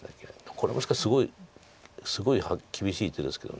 これもしかしすごい厳しい手ですけど。